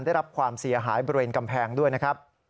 ได้รับความเสียหายบริเวณกำแพงด้วยนะครับ